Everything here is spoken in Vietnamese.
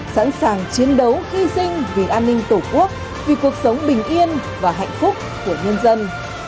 sẵn sàng chiến đấu hy sinh vì an ninh tổ quốc vì cuộc sống bình yên và hạnh phúc của nhân dân